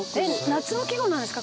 夏の季語なんですか？